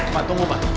ma tunggu ma